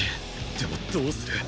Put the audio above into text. でもどうする？